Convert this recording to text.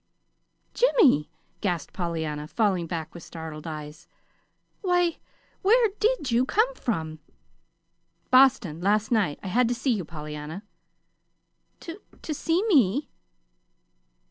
"Jimmy!" gasped Pollyanna, falling back with startled eyes. "Why, where did you come from?" "Boston. Last night. I had to see you, Pollyanna." "To see m me?"